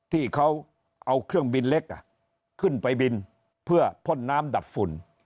ที่เขาเอาเครื่องบินเล็กขึ้นไปบินเพื่อพ่นน้ำดับฝุ่น